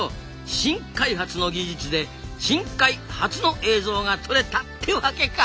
「新開発」の技術で「深海初」の映像が撮れたってわけか！